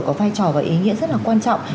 có vai trò và ý nghĩa rất là quan trọng